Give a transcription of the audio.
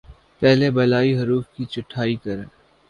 پہلے بالائی حروف کی چھٹائی کریں